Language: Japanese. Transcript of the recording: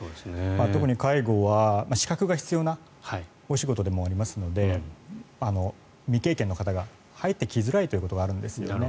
特に介護は、資格が必要なお仕事でもありますので未経験の方が入ってきづらいという部分があるんですよね。